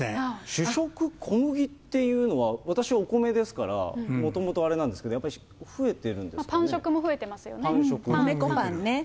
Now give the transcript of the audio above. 主食小麦っていうのは、私はお米ですから、もともとあれなんですけど、やっぱり増えてるんでパン食も増えてますよね。